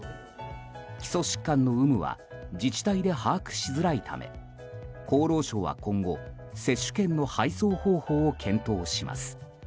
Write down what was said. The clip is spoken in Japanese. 基礎疾患の有無は自治体で把握しづらいため厚労省は今後接種券の配送方法を検討します。